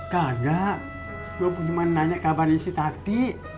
gak ada gue mau nanya kabar istri tati